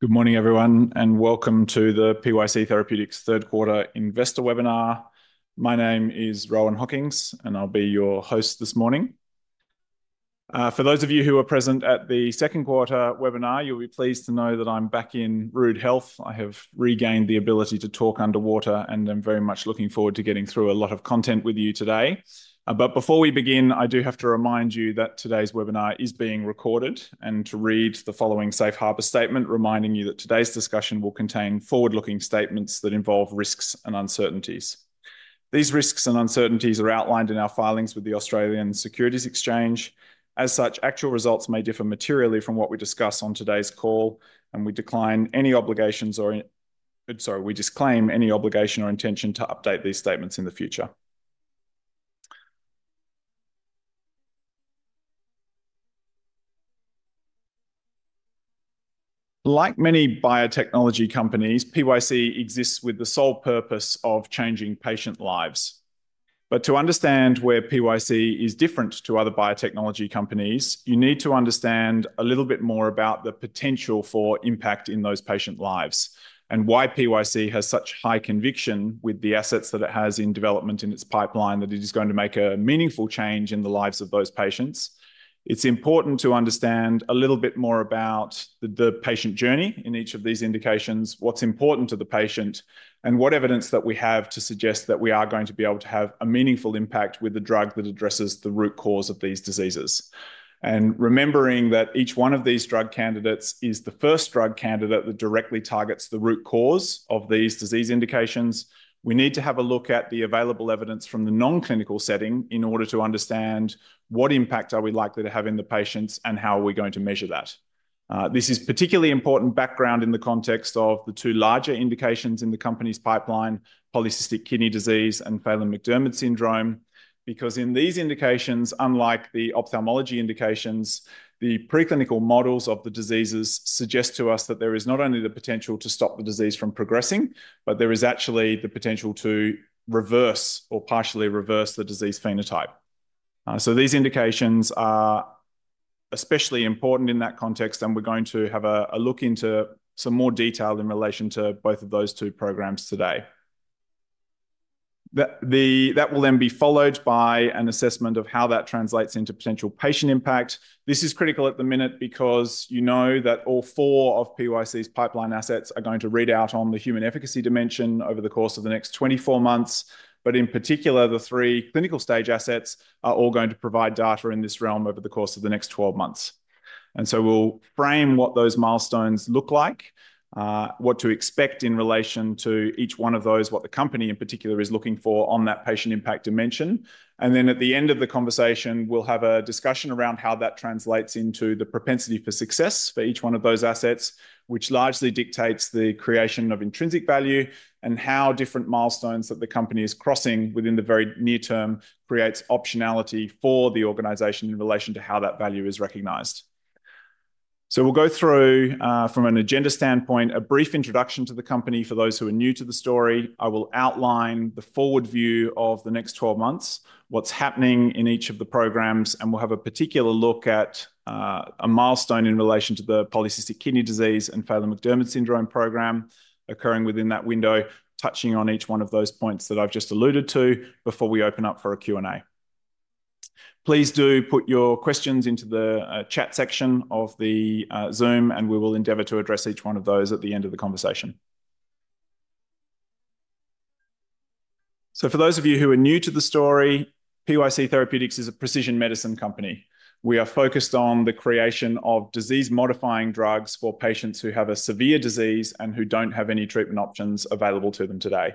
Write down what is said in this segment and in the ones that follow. Good morning, everyone, and welcome to the PYC Third Quarter Investor Webinar. My name is Rohan Hockings, and I'll be your host this morning. For those of you who were present at the second quarter webinar, you'll be pleased to know that I'm back in rude health. I have regained the ability to talk underwater, and I'm very much looking forward to getting through a lot of content with you today. Before we begin, I do have to remind you that today's webinar is being recorded and to read the following safe harbor statement, reminding you that today's discussion will contain forward-looking statements that involve risks and uncertainties. These risks and uncertainties are outlined in our filings with the Australian Securities Exchange. As such, actual results may differ materially from what we discuss on today's call, and we disclaim any obligation or intention to update these statements in the future. Like many biotechnology companies, PYC exists with the sole purpose of changing patient lives. To understand where PYC is different to other biotechnology companies, you need to understand a little bit more about the potential for impact in those patient lives and why PYC has such high conviction with the assets that it has in development in its pipeline that it is going to make a meaningful change in the lives of those patients. It's important to understand a little bit more about the patient journey in each of these indications, what's important to the patient, and what evidence that we have to suggest that we are going to be able to have a meaningful impact with the drug that addresses the root cause of these diseases. Remembering that each one of these drug candidates is the first drug candidate that directly targets the root cause of these disease indications, we need to have a look at the available evidence from the non-clinical setting in order to understand what impact are we likely to have in the patients and how are we going to measure that. This is particularly important background in the context of the two larger indications in the company's pipeline: Polycystic Kidney Disease and Phelan-McDermid Syndrome. In these indications, unlike the ophthalmology indications, the preclinical models of the diseases suggest to us that there is not only the potential to stop the disease from progressing, but there is actually the potential to reverse or partially reverse the disease phenotype. These indications are especially important in that context, and we're going to have a look into some more detail in relation to both of those two programs today. That will then be followed by an assessment of how that translates into potential patient impact. This is critical at the minute because you know that all four of PYC's pipeline assets are going to read out on the human efficacy dimension over the course of the next 24 months. In particular, the three clinical stage assets are all going to provide data in this realm over the course of the next 12 months. We'll frame what those milestones look like, what to expect in relation to each one of those, what the company in particular is looking for on that patient impact dimension. At the end of the conversation, we'll have a discussion around how that translates into the propensity for success for each one of those assets, which largely dictates the creation of intrinsic value and how different milestones that the company is crossing within the very near term creates optionality for the organization in relation to how that value is recognized. We'll go through, from an agenda standpoint, a brief introduction to the company for those who are new to the story. I will outline the forward view of the next 12 months, what's happening in each of the programs, and we'll have a particular look at a milestone in relation to the Polycystic Kidney Disease and Phelan-McDermid Syndrome Program occurring within that window, touching on each one of those points that I've just alluded to before we open up for a Q&A. Please do put your questions into the chat section of the Zoom, and we will endeavor to address each one of those at the end of the conversation. For those of you who are new to the story, PYC is a precision medicine company. We are focused on the creation of disease-modifying drugs for patients who have a severe disease and who don't have any treatment options available to them today.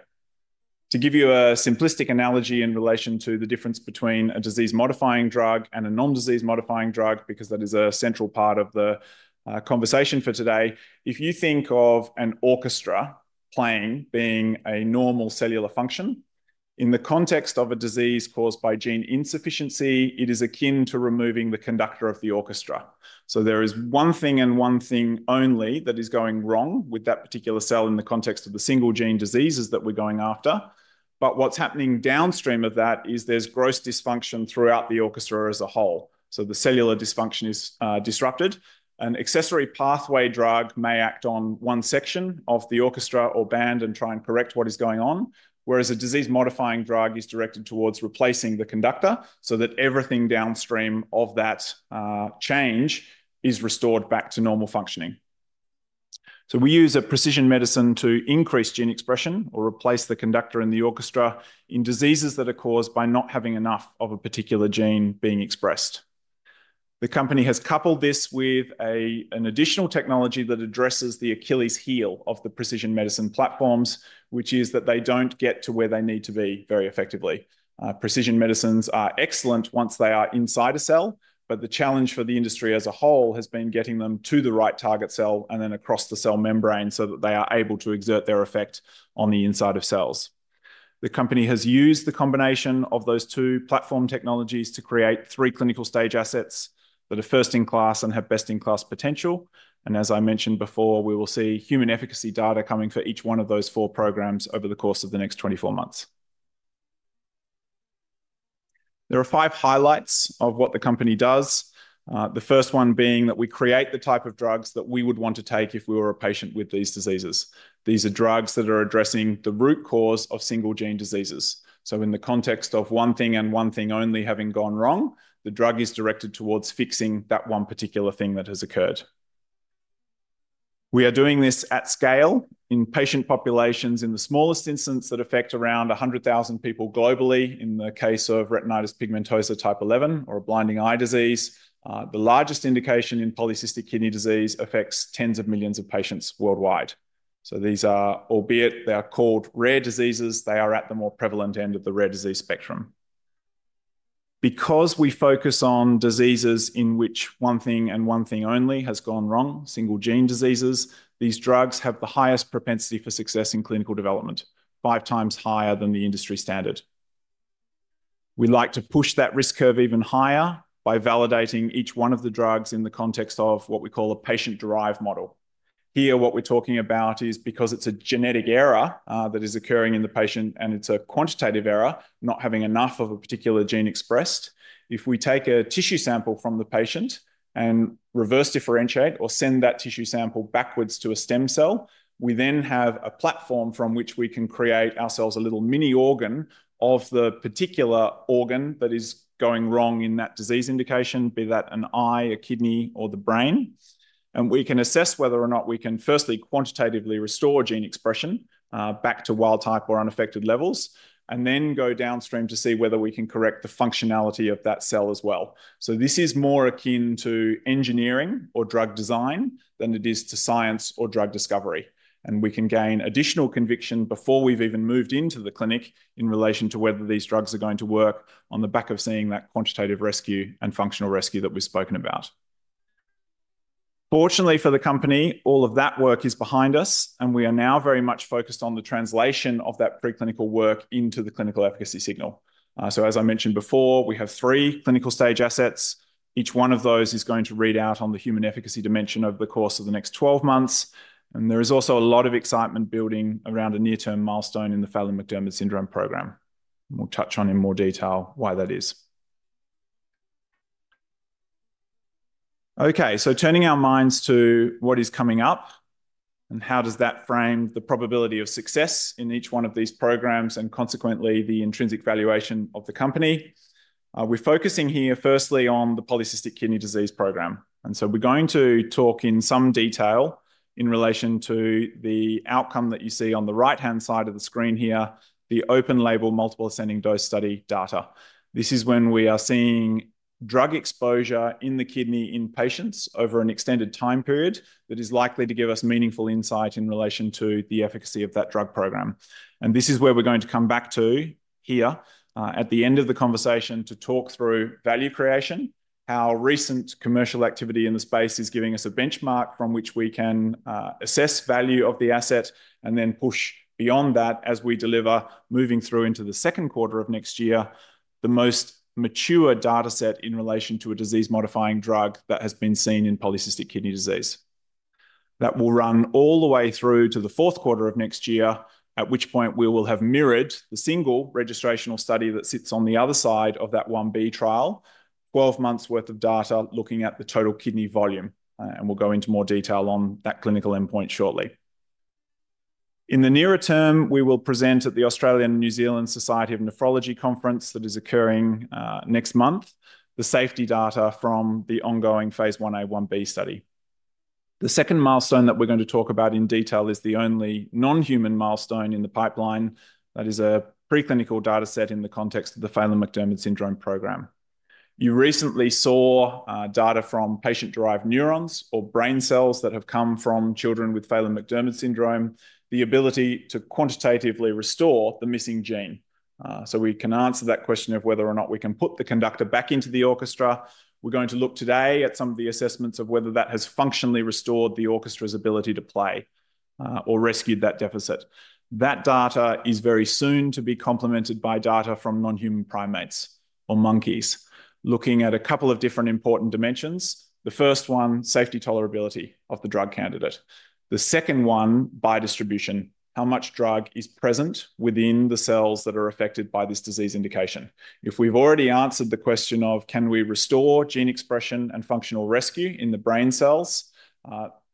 To give you a simplistic analogy in relation to the difference between a disease-modifying drug and a non-disease-modifying drug, because that is a central part of the conversation for today, if you think of an orchestra playing being a normal cellular function, in the context of a disease caused by gene insufficiency, it is akin to removing the conductor of the orchestra. There is one thing and one thing only that is going wrong with that particular cell in the context of the single-gene diseases that we're going after. What's happening downstream of that is there's gross dysfunction throughout the orchestra as a whole. The cellular dysfunction is disrupted. An accessory pathway drug may act on one section of the orchestra or band and try and correct what is going on, whereas a disease-modifying drug is directed towards replacing the conductor so that everything downstream of that change is restored back to normal functioning. We use precision medicine to increase gene expression or replace the conductor in the orchestra in diseases that are caused by not having enough of a particular gene being expressed. The company has coupled this with an additional technology that addresses the Achilles' heel of the precision medicine platforms, which is that they don't get to where they need to be very effectively. Precision medicines are excellent once they are inside a cell, but the challenge for the industry as a whole has been getting them to the right target cell and then across the cell membrane so that they are able to exert their effect on the inside of cells. The company has used the combination of those two platform technologies to create three clinical-stage assets that are first-in-class and have best-in-class potential. As I mentioned before, we will see human efficacy data coming for each one of those four programs over the course of the next 24 months. There are five highlights of what the company does. The first one being that we create the type of drugs that we would want to take if we were a patient with these diseases. These are drugs that are addressing the root cause of single-gene diseases. In the context of one thing and one thing only having gone wrong, the drug is directed towards fixing that one particular thing that has occurred. We are doing this at scale in patient populations in the smallest instance that affect around 100,000 people globally in the case of Retinitis Pigmentosa 11 or a blinding eye disease. The largest indication in Polycystic Kidney Disease affects tens of millions of patients worldwide. These are, albeit they are called rare diseases, they are at the more prevalent end of the rare disease spectrum. Because we focus on diseases in which one thing and one thing only has gone wrong, single-gene diseases, these drugs have the highest propensity for success in clinical development, five times higher than the industry standard. We'd like to push that risk curve even higher by validating each one of the drugs in the context of what we call a patient-derived model. Here, what we're talking about is because it's a genetic error that is occurring in the patient and it's a quantitative error, not having enough of a particular gene expressed. If we take a tissue sample from the patient and reverse differentiate or send that tissue sample backwards to a stem cell, we then have a platform from which we can create ourselves a little mini-organ of the particular organ that is going wrong in that disease indication, be that an eye, a kidney, or the brain. We can assess whether or not we can firstly quantitatively restore gene expression back to wild type or unaffected levels, and then go downstream to see whether we can correct the functionality of that cell as well. This is more akin to engineering or drug design than it is to science or drug discovery. We can gain additional conviction before we've even moved into the clinic in relation to whether these drugs are going to work on the back of seeing that quantitative rescue and functional rescue that we've spoken about. Fortunately for the company, all of that work is behind us, and we are now very much focused on the translation of that preclinical work into the clinical efficacy signal. As I mentioned before, we have three clinical stage assets. Each one of those is going to read out on the human efficacy dimension over the course of the next 12 months. There is also a lot of excitement building around a near-term milestone in the Phelan-McDermid Syndrome Program. We'll touch on in more detail why that is. Okay, turning our minds to what is coming up and how does that frame the probability of success in each one of these programs and consequently the intrinsic valuation of the company. We're focusing here firstly on the Polycystic Kidney Disease Program. We're going to talk in some detail in relation to the outcome that you see on the right-hand side of the screen here, the open-label multiple ascending dose study data. This is when we are seeing drug exposure in the kidney in patients over an extended time period that is likely to give us meaningful insight in relation to the efficacy of that drug program. This is where we're going to come back to here at the end of the conversation to talk through value creation, how recent commercial activity in the space is giving us a benchmark from which we can assess value of the asset and then push beyond that as we deliver, moving through into the second quarter of next year, the most mature data set in relation to a disease-modifying drug that has been seen in Polycystic Kidney Disease. That will run all the way through to the fourth quarter of next year, at which point we will have mirrored the single registrational study that sits on the other side of that 1b trial, 12 months' worth of data looking at the total kidney volume. We'll go into more detail on that clinical endpoint shortly. In the nearer term, we will present at the Australian and New Zealand Society of Nephrology conference that is occurring next month, the safety data from the ongoing phase 1a/1b study. The second milestone that we're going to talk about in detail is the only non-human milestone in the pipeline that is a preclinical data set in the context of the Phelan-McDermid Syndrome Program. You recently saw data from patient-derived neurons or brain cells that have come from children with Phelan-McDermid Syndrome, the ability to quantitatively restore the missing gene. We can answer that question of whether or not we can put the conductor back into the orchestra. We're going to look today at some of the assessments of whether that has functionally restored the orchestra's ability to play or rescued that deficit. That data is very soon to be complemented by data from non-human primates or monkeys, looking at a couple of different important dimensions. The first one, safety tolerability of the drug candidate. The second one, by distribution, how much drug is present within the cells that are affected by this disease indication. If we've already answered the question of can we restore gene expression and functional rescue in the brain cells,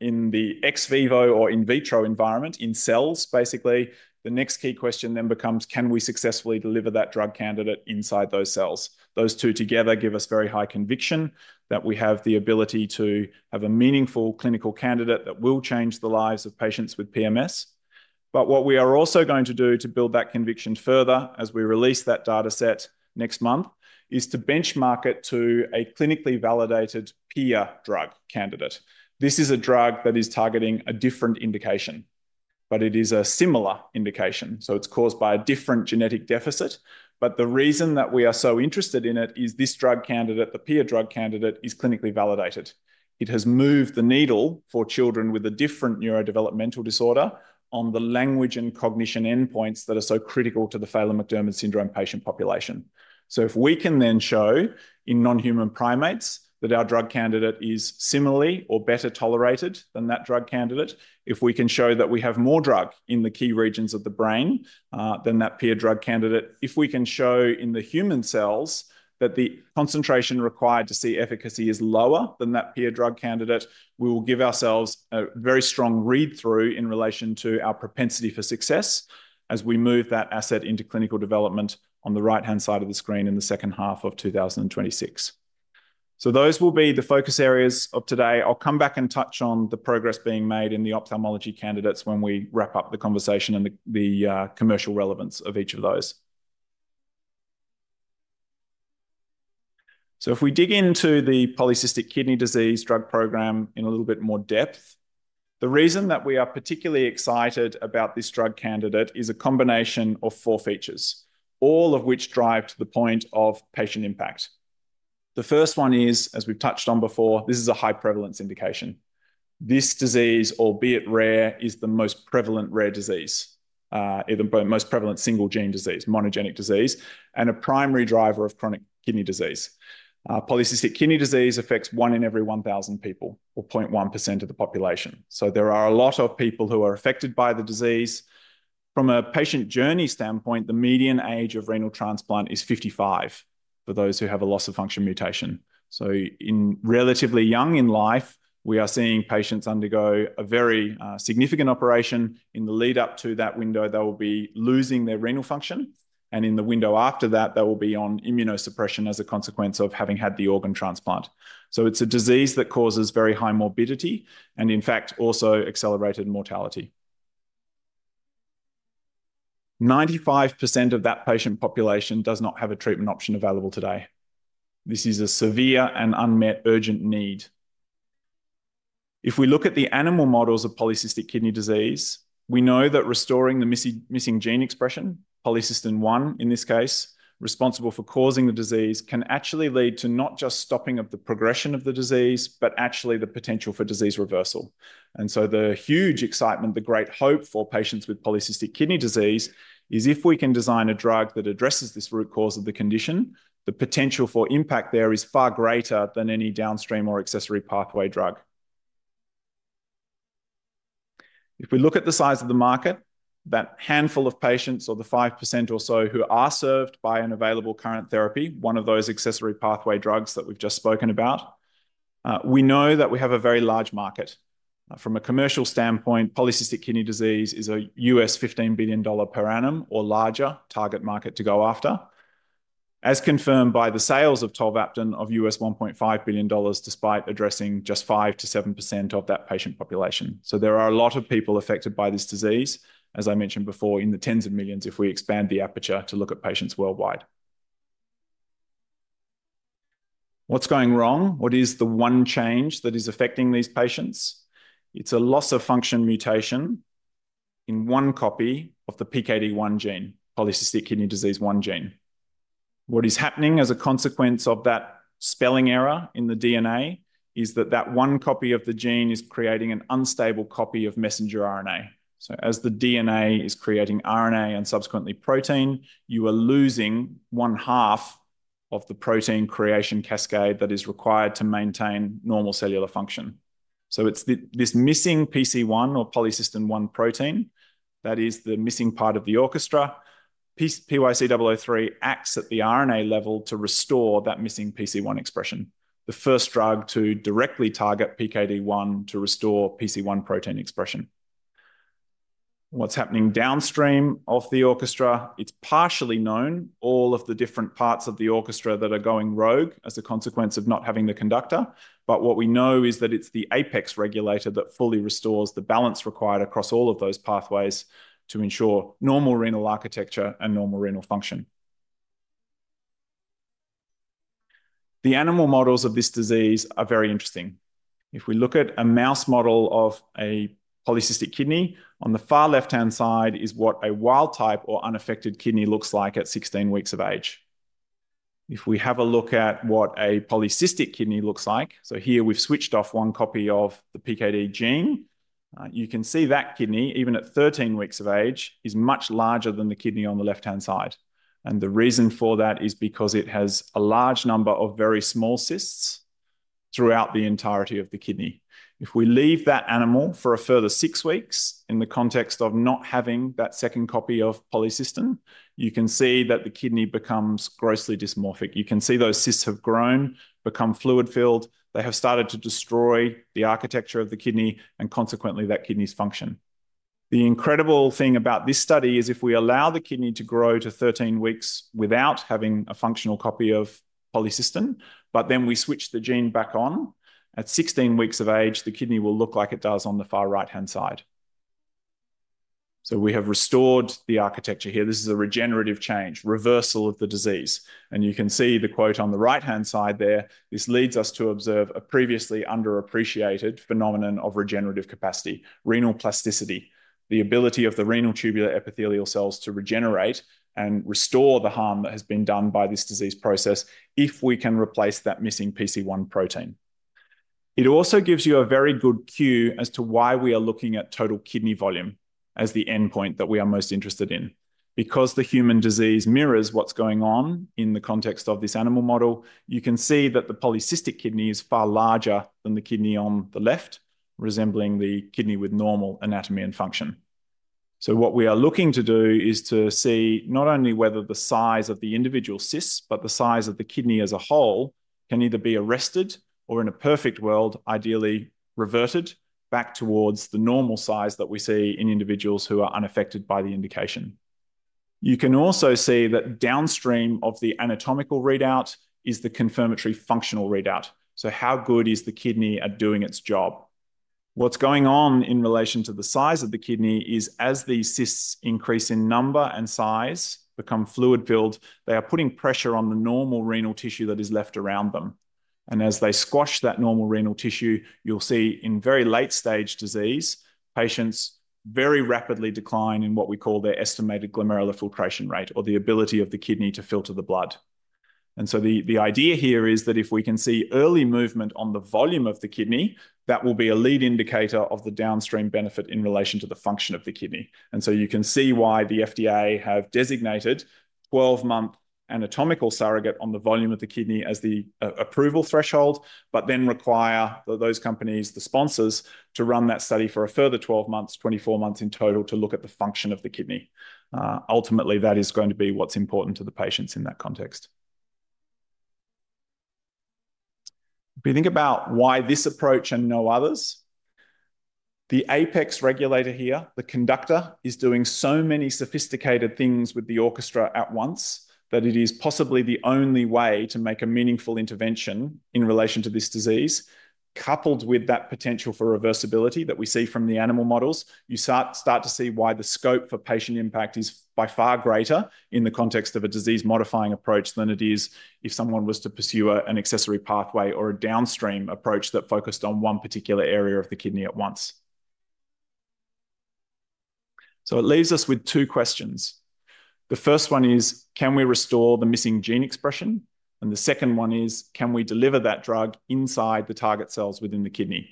in the ex vivo or in vitro environment, in cells, basically, the next key question then becomes can we successfully deliver that drug candidate inside those cells? Those two together give us very high conviction that we have the ability to have a meaningful clinical candidate that will change the lives of patients with PMS. What we are also going to do to build that conviction further as we release that data set next month is to benchmark it to a clinically validated peer drug candidate. This is a drug that is targeting a different indication, but it is a similar indication. It's caused by a different genetic deficit. The reason that we are so interested in it is this drug candidate, the peer drug candidate, is clinically validated. It has moved the needle for children with a different neurodevelopmental disorder on the language and cognition endpoints that are so critical to the Phelan-McDermid Syndrome patient population. If we can then show in non-human primates that our drug candidate is similarly or better tolerated than that drug candidate, if we can show that we have more drug in the key regions of the brain than that peer drug candidate, if we can show in the human cells that the concentration required to see efficacy is lower than that peer drug candidate, we will give ourselves a very strong read-through in relation to our propensity for success as we move that asset into clinical development on the right-hand side of the screen in the second half of 2026. Those will be the focus areas of today. I'll come back and touch on the progress being made in the ophthalmology candidates when we wrap up the conversation and the commercial relevance of each of those. If we dig into the Polycystic Kidney Disease Drug Program in a little bit more depth, the reason that we are particularly excited about this drug candidate is a combination of four features, all of which drive to the point of patient impact. The first one is, as we've touched on before, this is a high prevalence indication. This disease, albeit rare, is the most prevalent rare disease, the most prevalent single-gene disease, monogenic disease, and a primary driver of chronic kidney disease. Polycystic Kidney Disease affects one in every 1,000 people or 0.1% of the population. There are a lot of people who are affected by the disease. From a patient journey standpoint, the median age of renal transplant is 55 for those who have a loss of function mutation. In relatively young in life, we are seeing patients undergo a very significant operation. In the lead-up to that window, they will be losing their renal function. In the window after that, they will be on immunosuppression as a consequence of having had the organ transplant. It is a disease that causes very high morbidity and, in fact, also accelerated mortality. 95% of that patient population does not have a treatment option available today. This is a severe and unmet, urgent need. If we look at the animal models of Polycystic Kidney Disease, we that restoring the missing gene expression, Polycystin-1 in this case, responsible for causing the disease, can actually lead to not just stopping the progression of the disease, but actually the potential for disease reversal. The huge excitement, the great hope for patients with Polycystic Kidney Disease, is if we can design a drug that addresses this root cause of the condition, the potential for impact there is far greater than any downstream or accessory pathway drug. If we look at the size of the market, that handful of patients or the 5% or so who are served by an available current therapy, one of those accessory pathway drugs that we've just spoken about, we know that we have a very large market. From a commercial standpoint, Polycystic Kidney Disease is a $15 billion per annum or larger target market to go after, as confirmed by the sales of Tolvaptan of $1.5 billion, despite addressing just 5%-7% of that patient population. There are a lot of people affected by this disease, as I mentioned before, in the tens of millions if we expand the aperture to look at patients worldwide. What's going wrong? What is the one change that is affecting these patients? It's a loss of function mutation in one copy of the PKD1 gene, Polycystic Kidney Disease 1 gene. What is happening as a consequence of that spelling error in the DNA? is that that one copy of the gene is creating an unstable copy of messenger RNA. As the DNA is creating RNA and subsequently protein, you are losing 1/2 of the protein creation cascade that is required to maintain normal cellular function. It is this missing PC1 or Polycystin-1 protein that is the missing part of the orchestra. PYC-003 acts at the RNA level to restore that missing PC1 expression, the first drug to directly target PKD1 to restore PC1 protein expression. What's happening downstream of the orchestra? It is partially known, all of the different parts of the orchestra that are going rogue as a consequence of not having the conductor. What we know is that it's the Apex regulator that fully restores the balance required across all of those pathways to ensure normal renal architecture and normal renal function. The animal models of this disease are very interesting. If we look at a mouse model of a polycystic kidney, on the far left-hand side is what a wild type or unaffected kidney looks like at 16 weeks of age. If we have a look at what a polycystic kidney looks like, here we've switched off one copy of the PKD1 gene, you can see that kidney, even at 13 weeks of age, is much larger than the kidney on the left-hand side. The reason for that is because it has a large number of very small cysts throughout the entirety of the kidney. If we leave that animal for a further six weeks in the context of not having that second copy of polycystin, you can see that the kidney becomes grossly dysmorphic. You can see those cysts have grown, become fluid-filled, and have started to destroy the architecture of the kidney and consequently that kidney's function. The incredible thing about this study is if we allow the kidney to grow to 13 weeks without having a functional copy of polycystin, but then we switch the gene back on, at 16 weeks of age, the kidney will look like it does on the far right-hand side. We have restored the architecture here. This is a regenerative change, reversal of the disease. You can see the quote on the right-hand side there. This leads us to observe a previously underappreciated phenomenon of regenerative capacity, renal plasticity, the ability of the renal tubular epithelial cells to regenerate and restore the harm that has been done by this disease process if we can replace that missing PC1 protein. It also gives you a very good cue as to why we are looking at total kidney volume as the endpoint that we are most interested in. Because the human disease mirrors what's going on in the context of this animal model, you can see that the polycystic kidney is far larger than the kidney on the left, resembling the kidney with normal anatomy and function. What we are looking to do is to see not only whether the size of the individual cysts, but the size of the kidney as a whole can either be arrested or, in a perfect world, ideally reverted back towards the normal size that we see in individuals who are unaffected by the indication. You can also see that downstream of the anatomical readout is the confirmatory functional readout. How good is the kidney at doing its job? What's going on in relation to the size of the kidney is as these cysts increase in number and size, become fluid-filled, they are putting pressure on the normal renal tissue that is left around them. As they squash that normal renal tissue, you'll see in very late-stage disease, patients very rapidly decline in what we call their estimated glomerular filtration rate or the ability of the kidney to filter the blood. The idea here is that if we can see early movement on the volume of the kidney, that will be a lead indicator of the downstream benefit in relation to the function of the kidney. You can see why the FDA has designated a 12-month anatomical surrogate on the volume of the kidney as the approval threshold, but then requires those companies, the sponsors, to run that study for a further 12 months, 24 months in total to look at the function of the kidney. Ultimately, that is going to be what's important to the patients in that context. If you think about why this approach and no others, the Apex regulator here, the conductor, is doing so many sophisticated things with the orchestra at once that it is possibly the only way to make a meaningful intervention in relation to this disease, coupled with that potential for reversibility that we see from the animal models. You start to see why the scope for patient impact is by far greater in the context of a disease-modifying approach than it is if someone was to pursue an accessory pathway or a downstream approach that focused on one particular area of the kidney at once. It leaves us with two questions. The first one is, can we restore the missing gene expression? The second one is, can we deliver that drug inside the target cells within the kidney?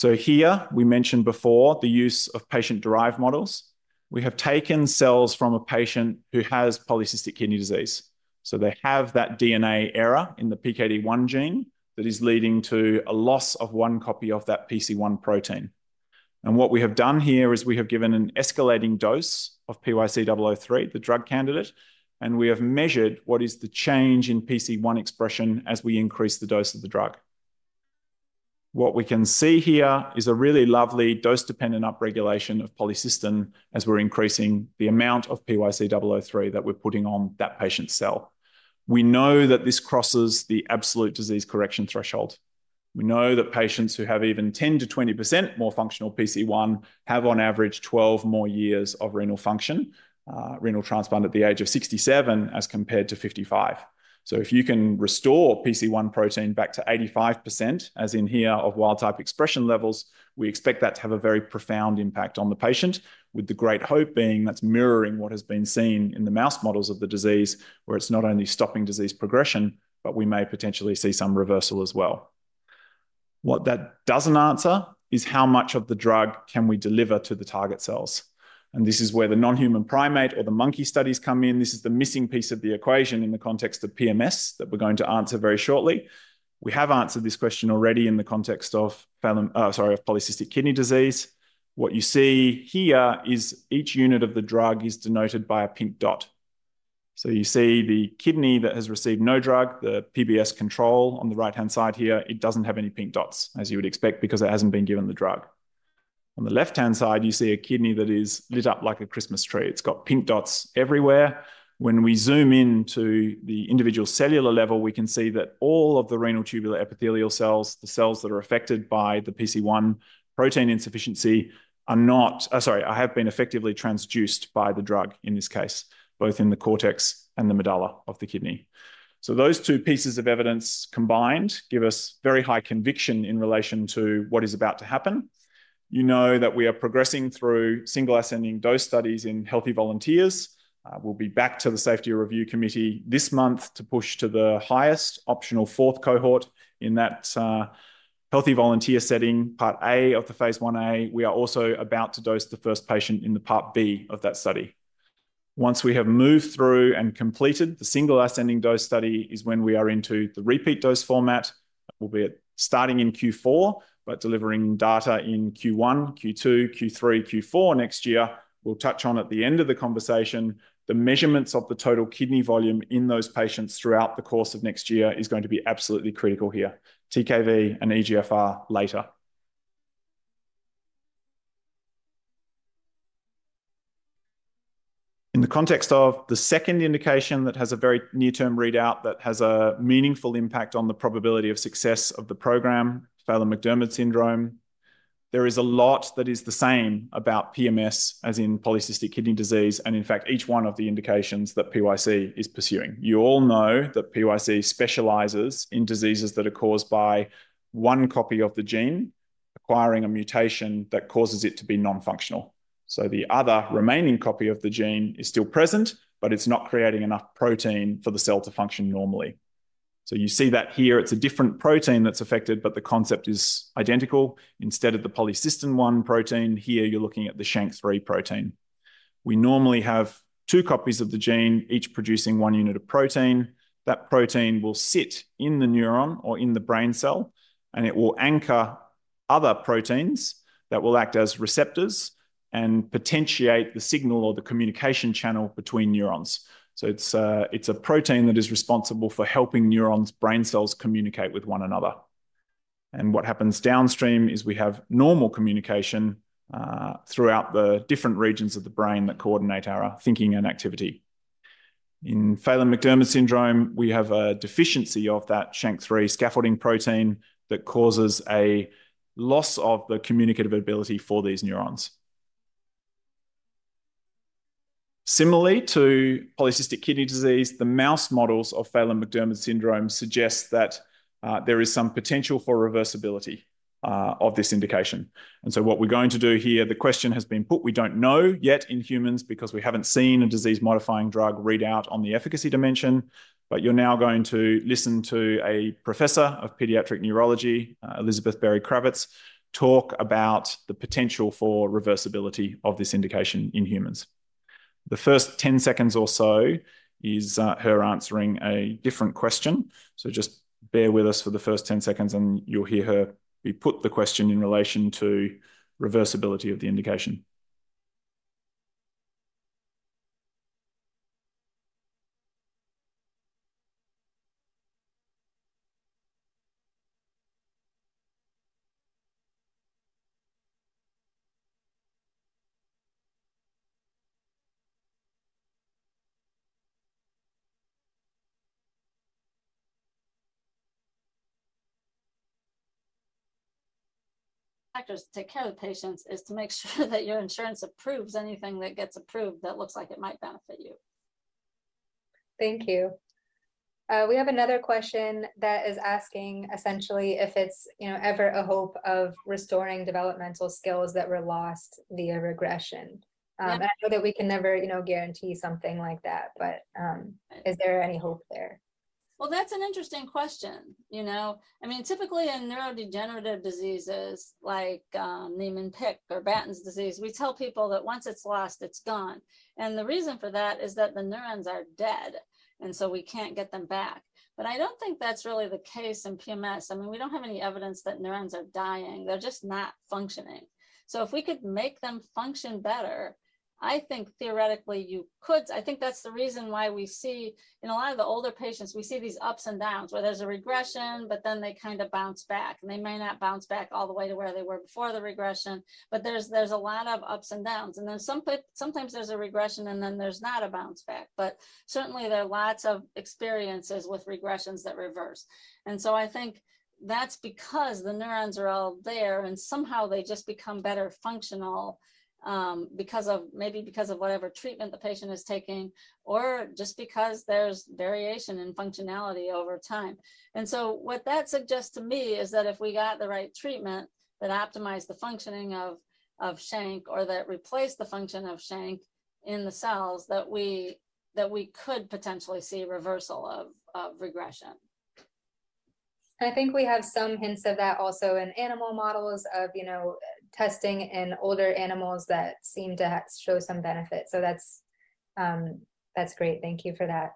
Here we mentioned before the use of patient-derived models. We have taken cells from a patient who has Polycystic Kidney Disease. They have that DNA error in the PKD1 gene that is leading to a loss of one copy of that PC1 protein. What we have done here is we have given an escalating dose of PYC-003, the drug candidate, and we have measured what is the change in PC1 expression as we increase the dose of the drug. What we can see here is a really lovely dose-dependent upregulation of polycystin as we're increasing the amount of PYC-003 that we're putting on that patient's cell. We know that this crosses the absolute disease correction threshold. We know that patients who have even 10%-20% more functional PC1 have on average 12 more years of renal function, renal transplant at the age of 67 as compared to 55. If you can restore PC1 protein back to 85%, as in here of wild type expression levels, we expect that to have a very profound impact on the patient, with the great hope being that's mirroring what has been seen in the mouse models of the disease, where it's not only stopping disease progression, but we may potentially see some reversal as well. What that doesn't answer is how much of the drug can we deliver to the target cells. This is where the non-human primate or the monkey studies come in. This is the missing piece of the equation in the context of PMS that we're going to answer very shortly. We have answered this question already in the context of Polycystic Kidney Disease. What you see here is each unit of the drug is denoted by a pink dot. You see the kidney that has received no drug, the PBS control on the right-hand side here, it doesn't have any pink dots, as you would expect, because it hasn't been given the drug. On the left-hand side, you see a kidney that is lit up like a Christmas tree. It's got pink dots everywhere. When we zoom into the individual cellular level, we can see that all of the renal tubular epithelial cells, the cells that are affected by the PC1 protein insufficiency, have been effectively transduced by the drug in this case, both in the cortex and the medulla of the kidney. Those two pieces of evidence combined give us very high conviction in relation to what is about to happen. You know that we are progressing through single ascending dose studies in healthy volunteers. We'll be back to the safety review committee this month to push to the highest optional fourth cohort in that healthy volunteer setting, part A of the phase 1a. We are also about to dose the first patient in the part B of that study. Once we have moved through and completed the single ascending dose study is when we are into the repeat dose format, albeit starting in Q4, but delivering data in Q1, Q2, Q3, Q4 next year. We'll touch on at the end of the conversation, the measurements of the total kidney volume in those patients throughout the course of next year are going to be absolutely critical here. TKV and eGFR later. In the context of the second indication that has a very near-term readout that has a meaningful impact on the probability of success of the program, Phelan-McDermid Syndrome, there is a lot that is the same about PMS as in Polycystic Kidney Disease, and in fact, each one of the indications that PYC is pursuing. You all know PYC specializes in diseases that are caused by one copy of the gene acquiring a mutation that causes it to be non-functional. The other remaining copy of the gene is still present, but it's not creating enough protein for the cell to function normally. You see that here, it's a different protein that's affected, but the concept is identical. Instead of the Polycystin-1 protein, here you're looking at the SHANK3 protein. We normally have two copies of the gene, each producing one unit of protein. That protein will sit in the neuron or in the brain cell, and it will anchor other proteins that will act as receptors and potentiate the signal or the communication channel between neurons. It's a protein that is responsible for helping neurons, brain cells communicate with one another. What happens downstream is we have normal communication throughout the different regions of the brain that coordinate our thinking and activity. In Phelan-McDermid Syndrome, we have a deficiency of that SHANK3 scaffolding protein that causes a loss of the communicative ability for these neurons. Similarly to Polycystic Kidney Disease, the mouse models of Phelan-McDermid Syndrome suggest that there is some potential for reversibility of this indication. What we're going to do here, the question has been put, we don't know yet in humans because we haven't seen a disease-modifying drug readout on the efficacy dimension. You're now going to listen to a Professor of Pediatric Neurology, Elizabeth Berry-Kravis, talk about the potential for reversibility of this indication in humans. The first 10 seconds or so is her answering a different question. Just bear with us for the first 10 seconds, and you'll hear her put the question in relation to reversibility of the indication. I just tell patients to make sure that your insurance approves anything that gets approved that looks like it might benefit you. Thank you. We have another question that is asking essentially if it's ever a hope of restoring developmental skills that were lost via regression? I know that we can never guarantee something like that, but is there any hope there? That's an interesting question. Typically, in neurodegenerative diseases like Niemann-Pick or Batten's disease, we tell people that once it's lost, it's gone. The reason for that is that the neurons are dead, and we can't get them back. I don't think that's really the case in PMS. We don't have any evidence that neurons are dying. They're just not functioning. If we could make them function better, I think theoretically you could. I think that's the reason why we see in a lot of the older patients, we see these ups and downs where there's a regression, but then they kind of bounce back. They may not bounce back all the way to where they were before the regression, but there's a lot of ups and downs. Sometimes there's a regression, and then there's not a bounce back. Certainly, there are lots of experiences with regressions that reverse. I think that's because the neurons are all there, and somehow they just become better functional because of maybe whatever treatment the patient is taking or just because there's variation in functionality over time. What that suggests to me is that if we got the right treatment that optimized the functioning of SHANK or that replaced the function of SHANK in the cells, we could potentially see reversal of regression. I think we have some hints of that also in animal models of testing in older animals that seem to show some benefit. That's great. Thank you for that.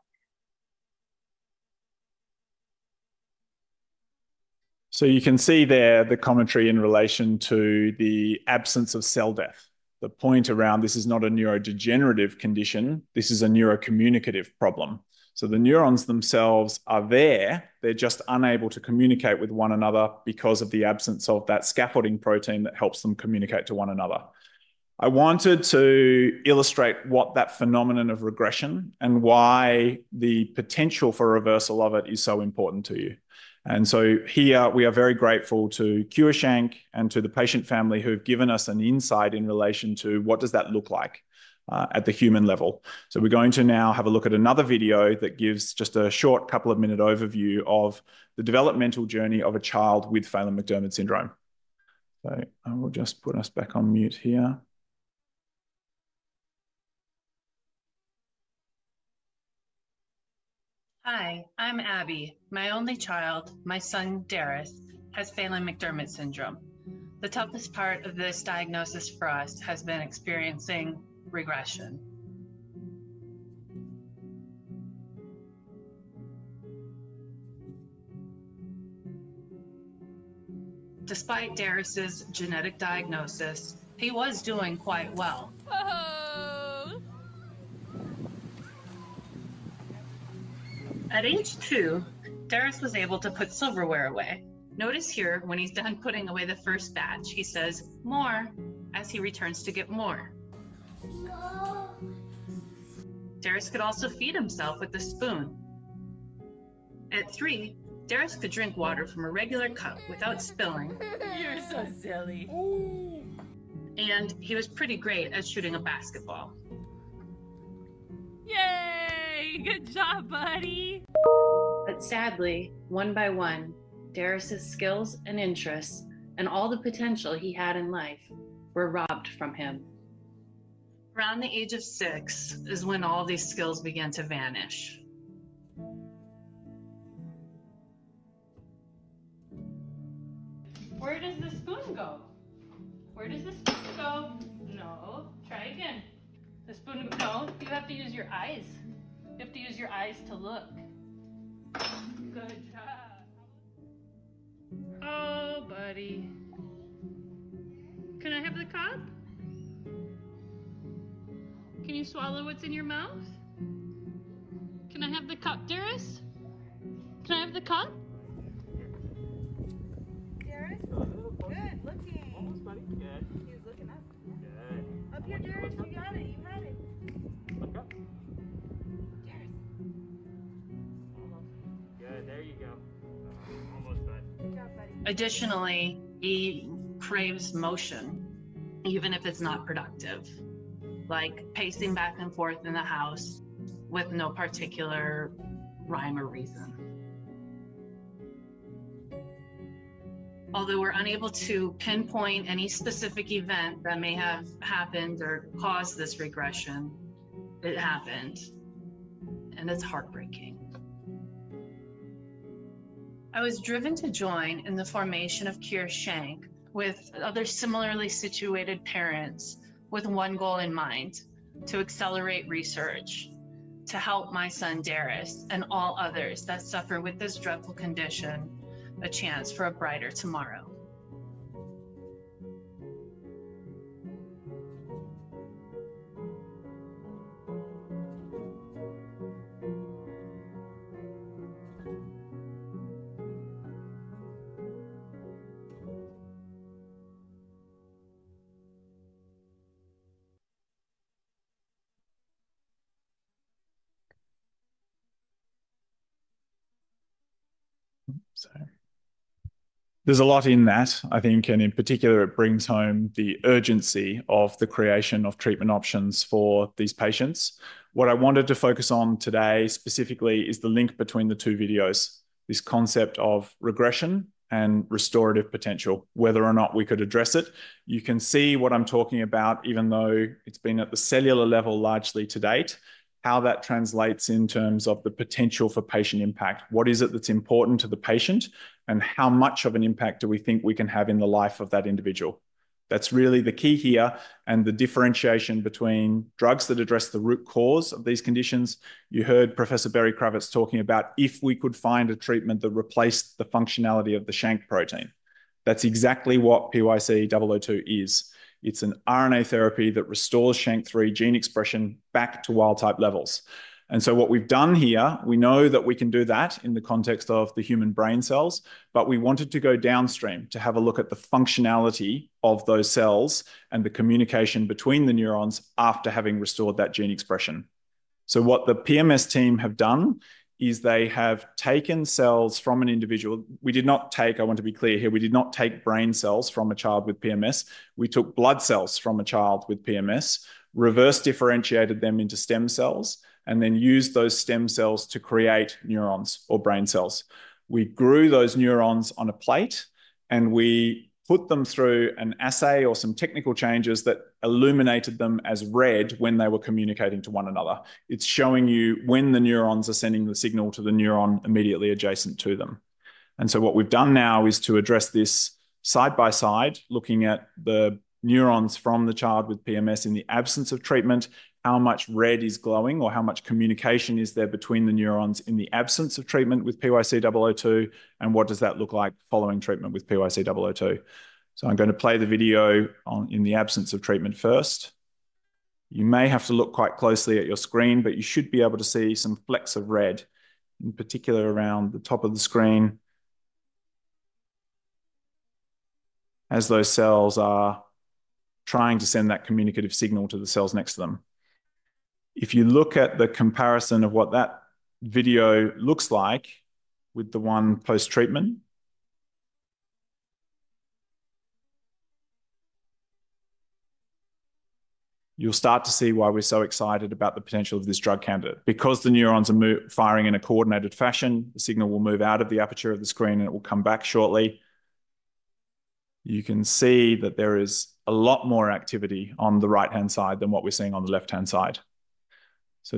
You can see there the commentary in relation to the absence of cell death. The point around this is not a neurodegenerative condition. This is a neurocommunicative problem. The neurons themselves are there. They're just unable to communicate with one another because of the absence of that scaffolding protein that helps them communicate to one another. I wanted to illustrate what that phenomenon of regression and why the potential for reversal of it is so important to you. We are very grateful to CureSHANK and to the patient family who have given us an insight in relation to what does that look like at the human level. We are going to now have a look at another video that gives just a short couple of minutes overview of the developmental journey of a child with Phelan-McDermid Syndrome. I will just put us back on mute here. Hi, I'm Abby. My only child, my son, Derris, has Phelan-McDermid Syndrome. The toughest part of this diagnosis for us has been experiencing regression. Despite Derris's genetic diagnosis, he was doing quite well. Whoa! At age two, Derris was able to put silverware away. Notice here when he's done putting away the first batch, he says, "More," as he returns to get more. No! Derris could also feed himself with a spoon. At three, Derris could drink water from a regular cup without spilling. You're so silly. Ooh! He was pretty great at shooting a basketball. Yay! Good job, buddy! Sadly, one by one, Derris's skills and interests and all the potential he had in life were robbed from him. Around the age of six is when all these skills began to vanish. Where does the spoon go? Where does the spoon go? Try again. The spoon goes, you have to use your eyes. You have to use your eyes to look. Good job. Oh, buddy. Can I have the cup? Can you swallow what's in your mouth? Can I have the cup, Derris? Can I have the cup? Derris, good looking! Almost, buddy. Good. He's looking up. Good. Up here. You got it. You had it. What cup? Derris. Good, there you go. Almost, buddy. Additionally, he craves motion, even if it's not productive, like pacing back and forth in the house with no particular rhyme or reason. Although we're unable to pinpoint any specific event that may have happened or caused this regression, it happened, and it's heartbreaking. I was driven to join in the formation of CureSHANK with other similarly situated parents with one goal in mind: to accelerate research to help my son, Derris, and all others that suffer with this dreadful condition a chance for a brighter tomorrow. There's a lot in that, I think, and in particular, it brings home the urgency of the creation of treatment options for these patients. What I wanted to focus on today specifically is the link between the two videos, this concept of regression and restorative potential, whether or not we could address it. You can see what I'm talking about, even though it's been at the cellular level largely to date, how that translates in terms of the potential for patient impact. What is it that's important to the patient and how much of an impact do we think we can have in the life of that individual? That's really the key here and the differentiation between drugs that address the root cause of these conditions. You heard Professor Berry-Kravis talking about if we could find a treatment that replaced the functionality of the SHANK protein. That's exactly what PYC-002 is. It's an RNA therapy that restores SHANK 3 gene expression back to wild type levels. What we've done here, we know that we can do that in the context of the human brain cells, but we wanted to go downstream to have a look at the functionality of those cells and the communication between the neurons after having restored that gene expression. What the PMS team have done is they have taken cells from an individual. We did not take, I want to be clear here, we did not take brain cells from a child with PMS. We took blood cells from a child with PMS, reverse differentiated them into stem cells, and then used those stem cells to create neurons or brain cells. We grew those neurons on a plate and we put them through an assay or some technical changes that illuminated them as red when they were communicating to one another. It's showing you when the neurons are sending the signal to the neuron immediately adjacent to them. What we've done now is to address this side-by-side, looking at the neurons from the child with PMS in the absence of treatment, how much red is glowing or how much communication is there between the neurons in the absence of treatment with PYC-002, and what does that look like following treatment with PYC-002. I'm going to play the video in the absence of treatment first. You may have to look quite closely at your screen, but you should be able to see some flecks of red, in particular around the top of the screen, as those cells are trying to send that communicative signal to the cells next to them. If you look at the comparison of what that video looks like with the one post-treatment, you'll start to see why we're so excited about the potential of this drug candidate. Because the neurons are firing in a coordinated fashion, the signal will move out of the aperture of the screen, and it will come back shortly. You can see that there is a lot more activity on the right-hand side than what we're seeing on the left-hand side.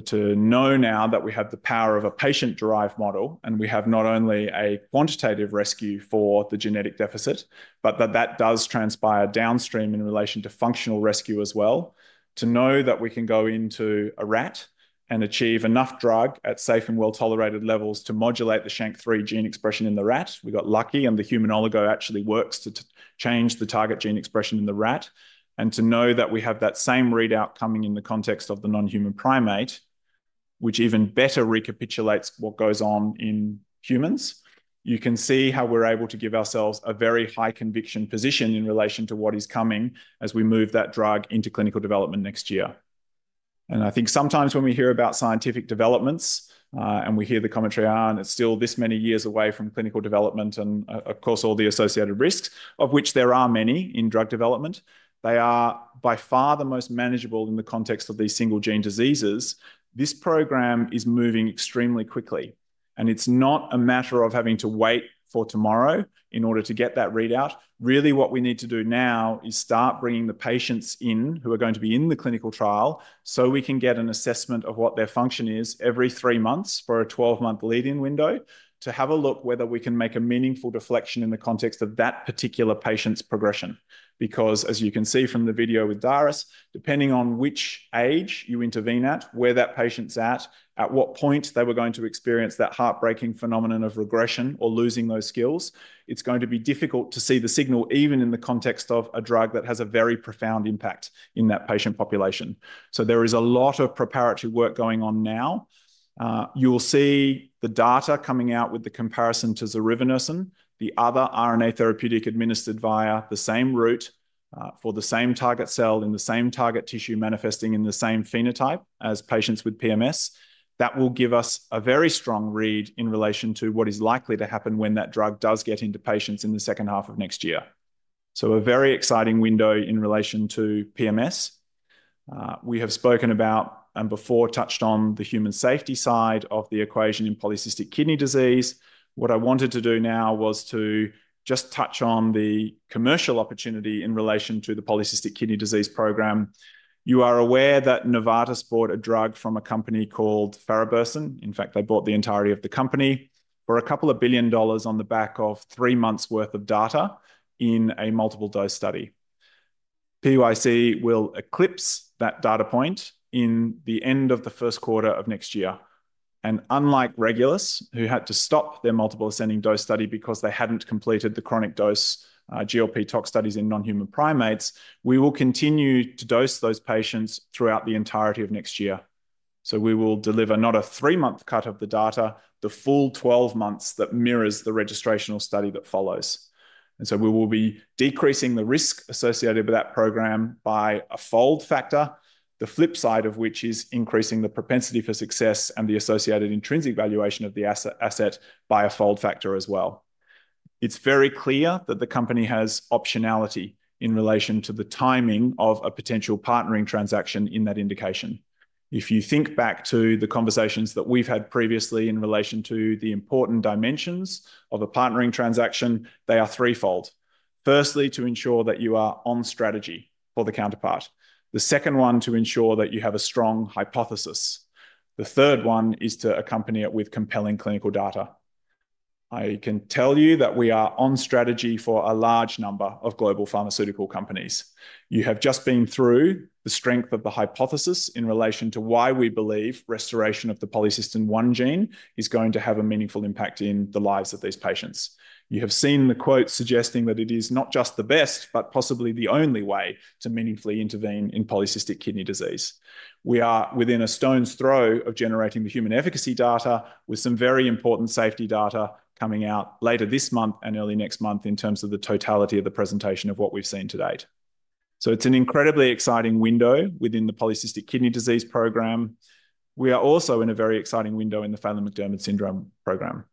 To know now that we have the power of a patient-derived model and we have not only a quantitative rescue for the genetic deficit, but that that does transpire downstream in relation to functional rescue as well, to know that we can go into a rat and achieve enough drug at safe and well-tolerated levels to modulate the SHANK3 gene expression in the rat. We got lucky and the human oligo actually works to change the target gene expression in the rat. To know that we have that same readout coming in the context of the non-human primate, which even better recapitulates what goes on in humans, you can see how we're able to give ourselves a very high conviction position in relation to what is coming as we move that drug into clinical development next year. I think sometimes when we hear about scientific developments and we hear the commentary, and it's still this many years away from clinical development, and of course all the associated risks, of which there are many in drug development, they are by far the most manageable in the context of these single-gene diseases. This program is moving extremely quickly. It's not a matter of having to wait for tomorrow in order to get that readout. Really, what we need to do now is start bringing the patients in who are going to be in the clinical trial so we can get an assessment of what their function is every three months for a 12-month lead-in window to have a look whether we can make a meaningful deflection in the context of that particular patient's progression. As you can see from the video with Derris, depending on which age you intervene at, where that patient's at, at what point they were going to experience that heartbreaking phenomenon of regression or losing those skills, it's going to be difficult to see the signal even in the context of a drug that has a very profound impact in that patient population. There is a lot of preparatory work going on now. You will see the data coming out with the comparison to zorevunersen, the other RNA therapeutic administered via the same route for the same target cell in the same target tissue manifesting in the same phenotype as patients with PMS. That will give us a very strong read in relation to what is likely to happen when that drug does get into patients in the second half of next year. A very exciting window in relation to PMS. We have spoken about and before touched on the human safety side of the equation in Polycystic Kidney Disease. What I wanted to do now was to just touch on the commercial opportunity in relation to the Polycystic Kidney Disease rogram. You are aware that Novartis bought a drug from a company called Farabursen. In fact, they bought the entirety of the company for a couple of billion dollars on the back of three months' worth of data in a multiple dose study. PYC will eclipse that data point in the end of the first quarter of next year. Unlike Regulus, who had to stop their multiple ascending dose study because they hadn't completed the chronic dose GLP tox studies in non-human primates, we will continue to dose those patients throughout the entirety of next year. We will deliver not a three-month cut of the data, the full 12 months that mirrors the registrational study that follows. We will be decreasing the risk associated with that program by a fold factor, the flip side of which is increasing the propensity for success and the associated intrinsic valuation of the asset by a fold factor as well. It's very clear that the company has optionality in relation to the timing of a potential partnering transaction in that indication. If you think back to the conversations that we've had previously in relation to the important dimensions of a partnering transaction, they are threefold. Firstly, to ensure that you are on strategy for the counterpart. The second one, to ensure that you have a strong hypothesis. The third one is to accompany it with compelling clinical data. I can tell you that we are on strategy for a large number of global pharmaceutical companies. You have just been through the strength of the hypothesis in relation to why we believe restoration of the Polycystin-1 gene is going to have a meaningful impact in the lives of these patients. You have seen the quote suggesting that it is not just the best, but possibly the only way to meaningfully intervene in Polycystic Kidney Disease. We are within a stone's throw of generating the human efficacy data with some very important safety data coming out later this month and early next month in terms of the totality of the presentation of what we've seen to date. It's an incredibly exciting window within the Polycystic Kidney Disease program. We are also in a very exciting window in the Phelan-McDermid Syndrome Program.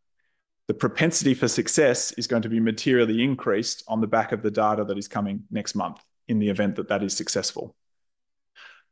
The propensity for success is going to be materially increased on the back of the data that is coming next month in the event that that is successful.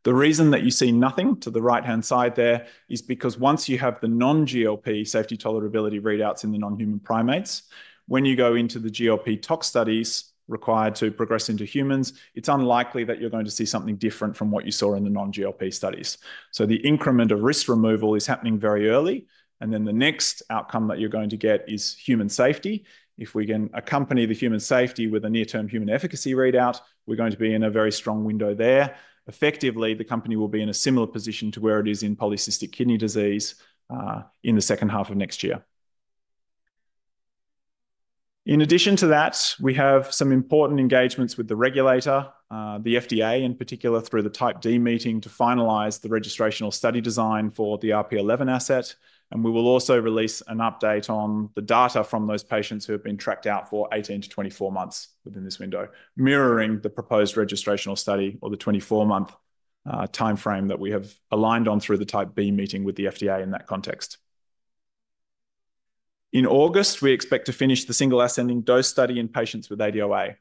The reason that you see nothing to the right-hand side there is because once you have the non-GLP safety tolerability readouts in the non-human primates, when you go into the GLP tox studies required to progress into humans, it's unlikely that you're going to see something different from what you saw in the non-GLP studies. The increment of risk removal is happening very early, and then the next outcome that you're going to get is human safety. If we can accompany the human safety with a near-term human efficacy readout, we're going to be in a very strong window there. Effectively, the company will be in a similar position to where it is in Polycystic Kidney Disease in the second half of next year. In addition to that, we have some important engagements with the regulator, the FDA in particular, through the type D meeting to finalize the registrational study design for the RP11 asset. We will also release an update on the data from those patients who have been tracked out for 18 to 24 months within this window, mirroring the proposed registrational study or the 24-month timeframe that we have aligned on through the type B meeting with the FDA in that context. In August, we expect to finish the single ascending dose study in patients with ADOA.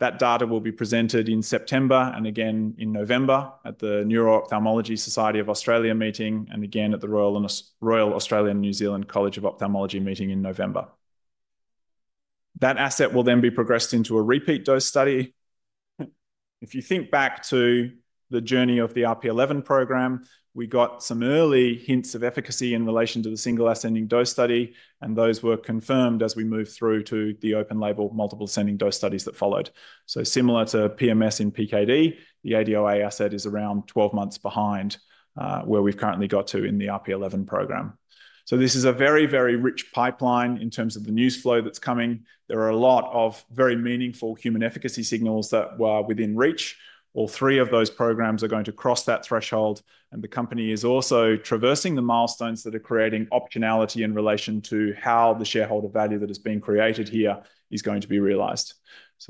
That data will be presented in September and again in November at the Neuro-Ophthalmology Society of Australian Meeting and again at the Royal Australian and New Zealand College of Ophthalmologists of Ophthalmology Meeting in November. That asset will then be progressed into a repeat dose study. If you think back to the journey of the RP11 program, we got some early hints of efficacy in relation to the single ascending dose study, and those were confirmed as we moved through to the open-label multiple ascending dose studies that followed. Similar to PMS and PKD, the ADOA asset is around 12 months behind where we've currently got to in the RP11 program. This is a very, very rich pipeline in terms of the news flow that's coming. There are a lot of very meaningful human efficacy signals that are within reach. All three of those programs are going to cross that threshold, and the company is also traversing the milestones that are creating optionality in relation to how the shareholder value that has been created here is going to be realized.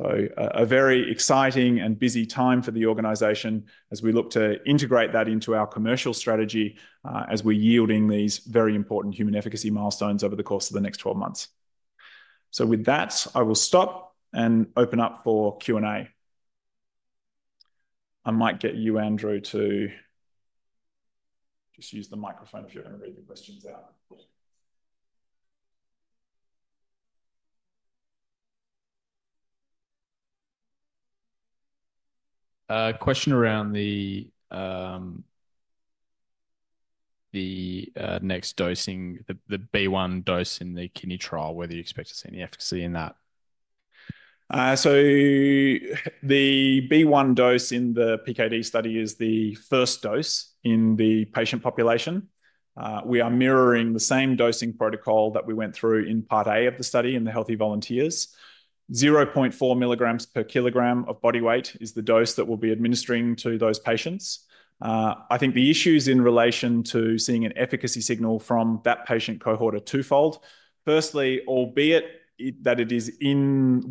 It is a very exciting and busy time for the organization as we look to integrate that into our commercial strategy as we're yielding these very important human efficacy milestones over the course of the next 12 months. With that, I will stop and open up for Q&A. I might get you, Andrew, to just use the microphone if you're going to read the questions out. A question around the next dosing, the B1 dose in the kidney trial, whether you expect to see any efficacy in that. The B1 dose in the PKD study is the first dose in the patient population. We are mirroring the same dosing protocol that we went through in part A of the study in the healthy volunteers. 0.4 mg per kg of body weight is the dose that we'll be administering to those patients. I think the issues in relation to seeing an efficacy signal from that patient cohort are twofold. Firstly, albeit that it is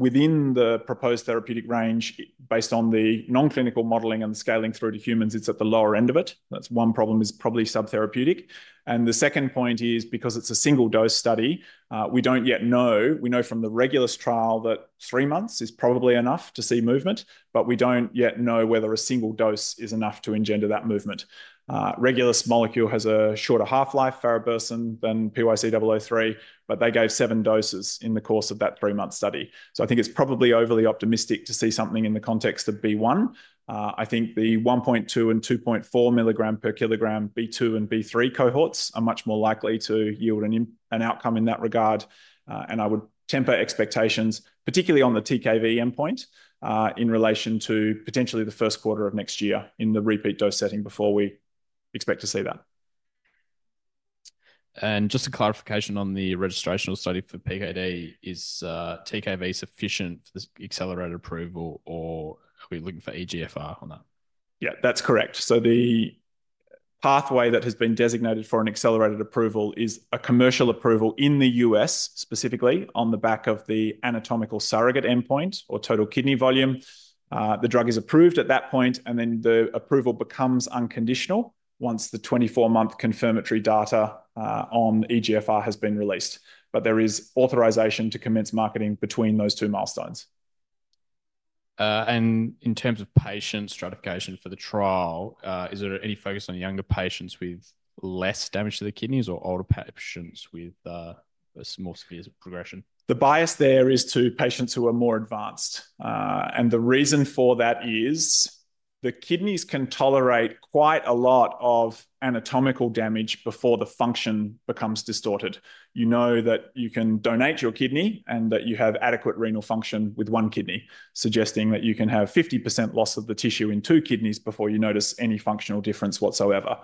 within the proposed therapeutic range based on the non-clinical modeling and the scaling through to humans, it's at the lower end of it. That's one problem, it's probably subtherapeutic. The second point is because it's a single-dose study, we don't yet know. We know from the Regulus trial that three months is probably enough to see movement, but we don't yet know whether a single dose is enough to engender that movement. The Regulus molecule has a shorter half-life than PYC-003, but they gave seven doses in the course of that three-month study. I think it's probably overly optimistic to see something in the context of B1. The 1.2 and 2.4 mg per kg B2 and B3 cohorts are much more likely to yield an outcome in that regard. I would temper expectations, particularly on the TKV endpoint, in relation to potentially the first quarter of next year in the repeat dose setting before we expect to see that. Just a clarification on the registrational PKD, is TKV sufficient for this accelerated approval or are we looking for eGFR on that? Yeah, that's correct. The pathway that has been designated for an accelerated approval is a commercial approval in the U.S., specifically on the back of the anatomical surrogate endpoint or total kidney volume. The drug is approved at that point, and the approval becomes unconditional once the 24-month confirmatory data on eGFR has been released. There is authorization to commence marketing between those two milestones. In terms of patient stratification for the trial, is there any focus on younger patients with less damage to the kidneys or older patients with a more severe progression? The bias there is to patients who are more advanced. The reason for that is the kidneys can tolerate quite a lot of anatomical damage before the function becomes distorted. You know that you can donate your kidney and that you have adequate renal function with one kidney, suggesting that you can have 50% loss of the tissue in two kidneys before you notice any functional difference whatsoever.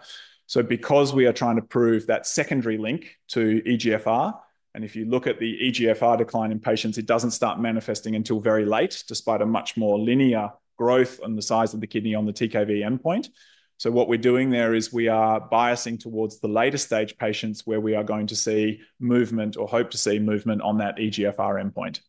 Because we are trying to prove that secondary link to eGFR, if you look at the eGFR decline in patients, it doesn't start manifesting until very late, despite a much more linear growth in the size of the kidney on the TKV endpoint. What we're doing there is we are biasing towards the later stage patients where we are going to see movement or hope to see movement on that eGFR endpoint.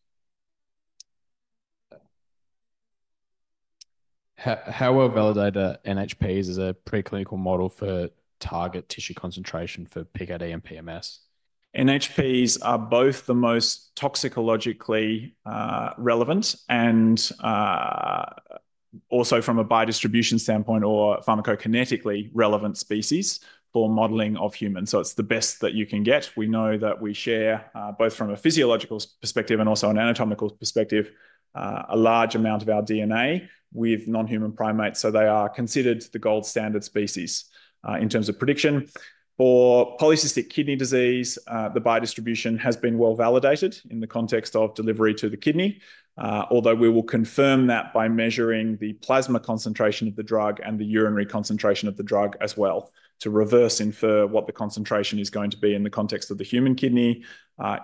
How well validate NHP as a preclinical model for target tissue PKD and PMS? NHPs are both the most toxicologically relevant and also, from a biodistribution standpoint or pharmacokinetically relevant species for modeling of humans, it's the best that you can get. We know that we share, both from a physiological perspective and also an anatomical perspective, a large amount of our DNA with non-human primates. They are considered the gold standard species in terms of prediction. For Polycystic Kidney Disease, the biodistribution has been well validated in the context of delivery to the kidney, although we will confirm that by measuring the plasma concentration of the drug and the urinary concentration of the drug as well to reverse infer what the concentration is going to be in the context of the human kidney.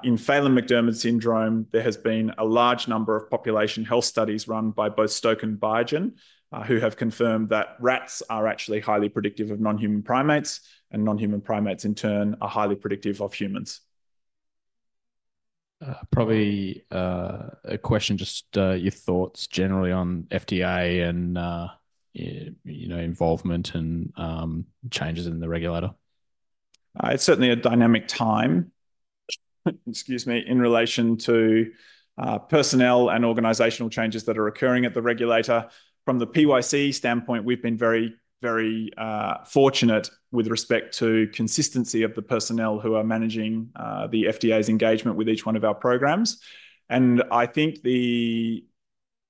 In Phelan-McDermid Syndrome, there has been a large number of population health studies run by both Stoke and Biogen who have confirmed that rats are actually highly predictive of non-human primates, and non-human primates in turn are highly predictive of humans. Probably a question, just your thoughts generally on FDA and involvement and changes in the regulator. It's certainly a dynamic time in relation to personnel and organizational changes that are occurring at the regulator. From the PYC standpoint, we've been very, very fortunate with respect to consistency of the personnel who are managing the FDA's engagement with each one of our programs. I think the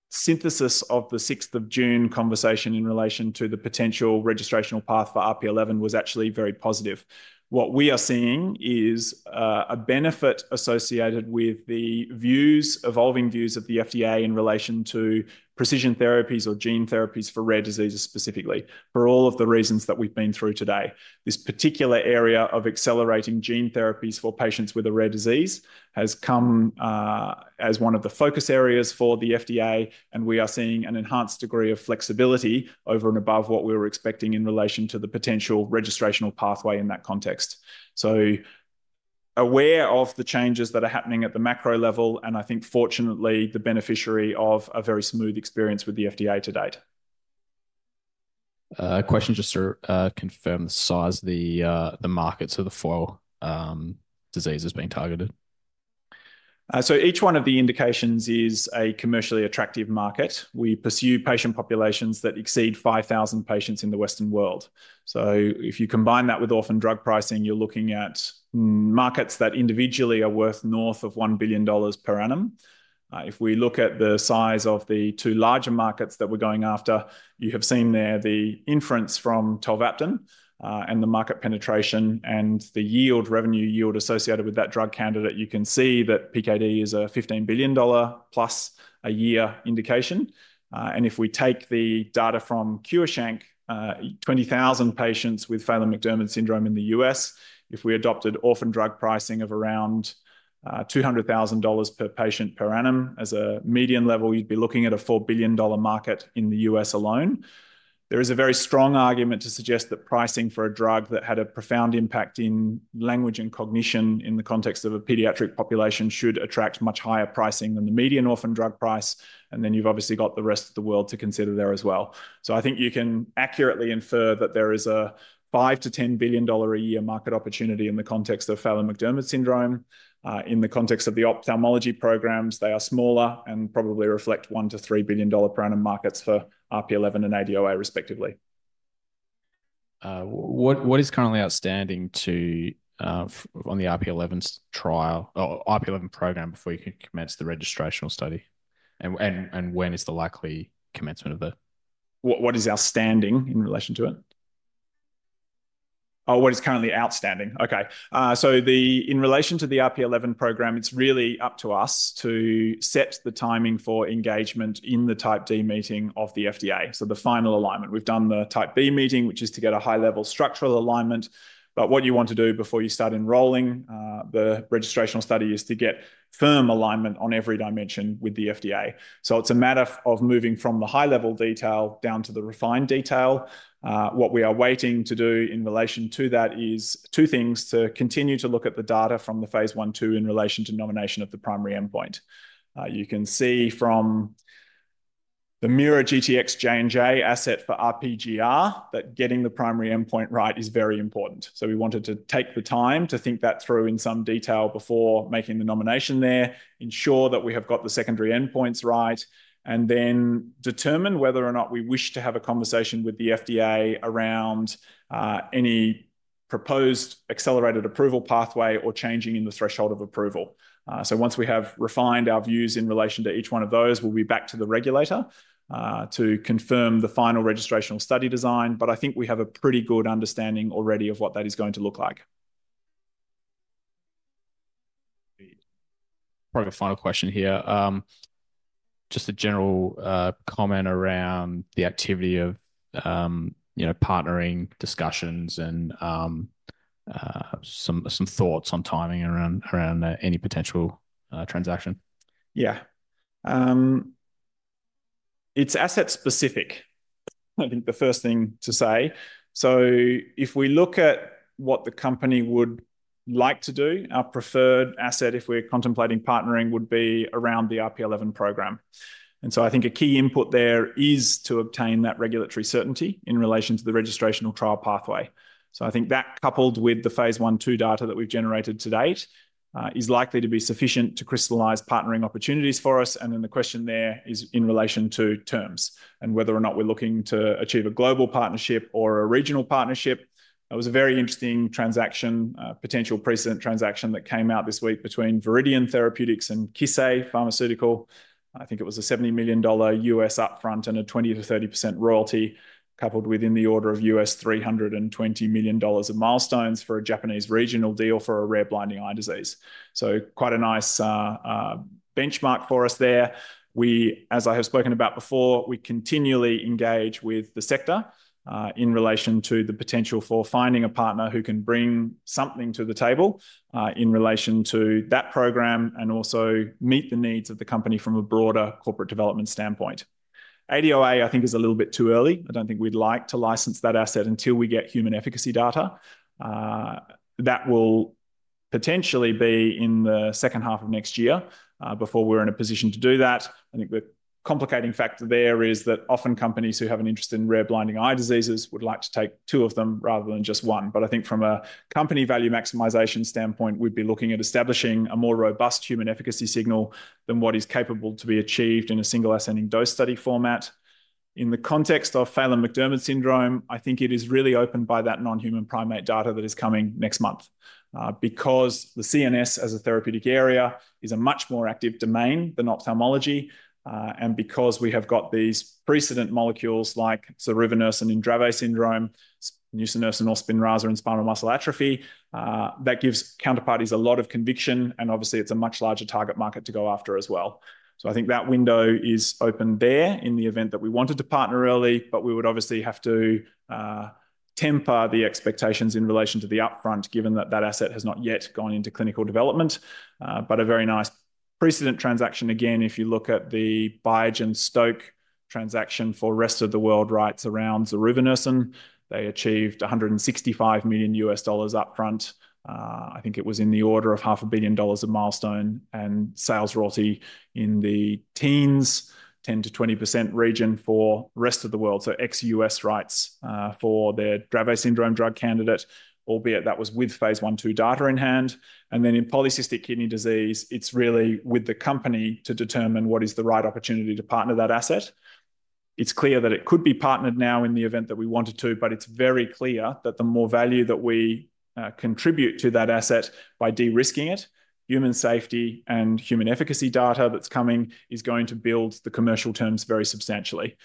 synthesis of the 6th of June conversation in relation to the potential registrational path for RP11 was actually very positive. What we are seeing is a benefit associated with the evolving views of the FDA in relation to precision therapies or gene therapies for rare diseases specifically, for all of the reasons that we've been through today. This particular area of accelerating gene therapies for patients with a rare disease has come as one of the focus areas for the FDA, and we are seeing an enhanced degree of flexibility over and above what we were expecting in relation to the potential registrational pathway in that context. Aware of the changes that are happening at the macro level, I think fortunately the beneficiary of a very smooth experience with the FDA to date. A question just to confirm the size of the markets for the four diseases that's being targeted. Each one of the indications is a commercially attractive market. We pursue patient populations that exceed 5,000 patients in the Western world. If you combine that with orphan drug pricing, you're looking at markets that individually are worth north of $1 billion per annum. If we look at the size of the two larger markets that we're going after, you have seen there the inference from Tolvaptan and the market penetration and the revenue yield associated with that drug candidate. You can see that PKD is a $15 billion plus a year indication. If we take the data from CureSHANK, 20,000 patients with Phelan-McDermid Syndrome in the U.S., if we adopted orphan drug pricing of around $200,000 per patient per annum as a median level, you'd be looking at a $4 billion market in the U.S. alone. There is a very strong argument to suggest that pricing for a drug that had a profound impact in language and cognition in the context of a pediatric population should attract much higher pricing than the median orphan drug price. You've obviously got the rest of the world to consider there as well. I think you can accurately infer that there is a $5 billion-$10 billion a year market opportunity in the context of Phelan-McDermid Syndrome. In the context of the Ophthalmology Programs, they are smaller and probably reflect $1 billion-$3 billion per annum markets for RP11 and ADOA, respectively. What is currently our standing on the RP11 trial or RP11 Program before you can commence the registrational study? When is the likely commencement of the... What is our standing in relation to it? Oh, what is currently outstanding? Okay. In relation to the RP11 Program, it's really up to us to set the timing for engagement in the type D meeting of the FDA. The final alignment, we've done the type B meeting, which is to get a high-level structural alignment. What you want to do before you start enrolling the registrational study is to get firm alignment on every dimension with the FDA. It's a matter of moving from the high-level detail down to the refined detail. What we are waiting to do in relation to that is two things: to continue to look at the data from the phase 1/2 in relation to nomination of the primary endpoint. You can see from the MeiraGTx J&J asset for RPGR that getting the primary endpoint right is very important. We wanted to take the time to think that through in some detail before making the nomination there, ensure that we have got the secondary endpoints right, and then determine whether or not we wish to have a conversation with the FDA around any proposed accelerated approval pathway or changing in the threshold of approval. Once we have refined our views in relation to each one of those, we'll be back to the regulator to confirm the final registrational study design. I think we have a pretty good understanding already of what that is going to look like. Probably the final question here, just a general comment around the activity of partnering discussions and some thoughts on timing around any potential transaction. Yeah. It's asset-specific. I think the first thing to say. If we look at what the company would like to do, our preferred asset if we're contemplating partnering would be around the RP11 Program. I think a key input there is to obtain that regulatory certainty in relation to the registrational trial pathway. I think that, coupled with the phase 1/2 data that we've generated to date, is likely to be sufficient to crystallize partnering opportunities for us. The question there is in relation to terms and whether or not we're looking to achieve a global partnership or a regional partnership. That was a very interesting transaction, a potential precedent transaction that came out this week between Viridian Therapeutics and Kissei Pharmaceutical. I think it was a $70 million U.S. upfront and a 20%-30% royalty coupled with in the order of $320 million of milestones for a Japanese regional deal for a rare blinding eye disease. Quite a nice benchmark for us there. As I have spoken about before, we continually engage with the sector in relation to the potential for finding a partner who can bring something to the table in relation to that program and also meet the needs of the company from a broader corporate development standpoint. ADOA, I think, is a little bit too early. I don't think we'd like to license that asset until we get human efficacy data. That will potentially be in the second half of next year before we're in a position to do that. The complicating factor there is that often companies who have an interest in rare blinding eye diseases would like to take two of them rather than just one. I think from a company value maximization standpoint, we'd be looking at establishing a more robust human efficacy signal than what is capable to be achieved in a single ascending dose study format. In the context of Phelan-McDermid Syndrome, I think it is really opened by that non-human primate data that is coming next month because the CNS as a therapeutic area is a much more active domain than ophthalmology. Because we have got these precedent molecules like zorevunersen in Dravet syndrome, Nusinersen or Spinraza in spinal muscular atrophy, that gives counterparties a lot of conviction. Obviously, it's a much larger target market to go after as well. I think that window is open there in the event that we wanted to partner early, but we would obviously have to temper the expectations in relation to the upfront, given that that asset has not yet gone into clinical development. A very nice precedent transaction again, if you look at the Biogen-Stoke transaction for rest of the world rights around zorevunersen, they achieved $165 million upfront. I think it was in the order of $500,000,000 of milestone and sales royalty in the teens, 10%-20% region for rest of the world. ex-U.S. rights for their Dravet syndrome drug candidate, albeit that was with phase 1/2 data in hand. In Polycystic Kidney Disease, it's really with the company to determine what is the right opportunity to partner that asset. It's clear that it could be partnered now in the event that we wanted to, but it's very clear that the more value that we contribute to that asset by de-risking it, human safety and human efficacy data that's coming is going to build the commercial terms very substantially.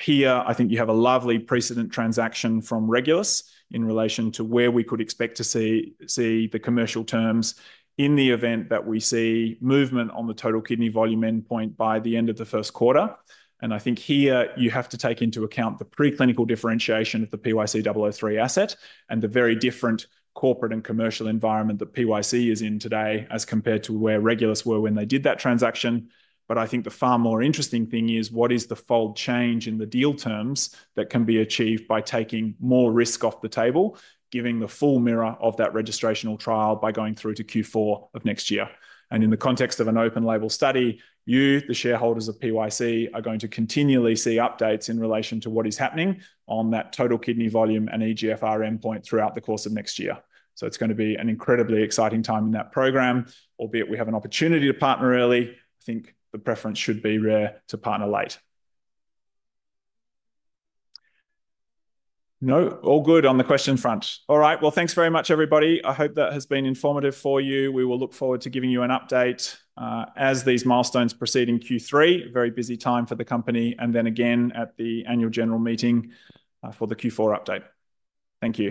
Here, you have a lovely precedent transaction from Regulus in relation to where we could expect to see the commercial terms in the event that we see movement on the total kidney volume endpoint by the end of the first quarter. I think here you have to take into account the preclinical differentiation of the PYC-003 asset and the very different corporate and commercial environment PYC is in today as compared to where Regulus were when they did that transaction. I think the far more interesting thing is what is the fold change in the deal terms that can be achieved by taking more risk off the table, giving the full mirror of that registrational trial by going through to Q4 of next year. In the context of an open label study, you, the shareholders of PYC, are going to continually see updates in relation to what is happening on that total kidney volume and eGFR endpoint throughout the course of next year. It's going to be an incredibly exciting time in that program, albeit we have an opportunity to partner early. I think the preference should be rare to partner late. No, all good on the question front. All right, thank you very much, everybody. I hope that has been informative for you. We will look forward to giving you an update as these milestones proceed in Q3, a very busy time for the company, and then again at the annual general meeting for the Q4 update. Thank you.